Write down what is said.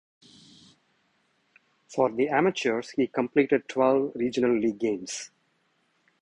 For the amateurs he completed twelve regional league games.